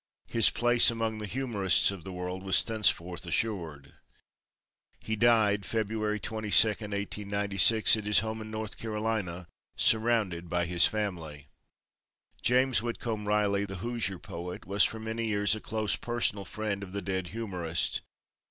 His place among the humorists of the world was thenceforth assured. He died February 22, 1896, at his home in North Carolina, surrounded by his family. James Whitcomb Riley, the Hoosier poet, was for many years a close personal friend of the dead humorist.